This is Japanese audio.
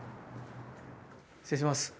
失礼します！